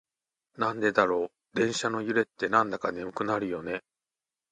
なんでだろう、電車の揺れってなんだか眠くなるよね。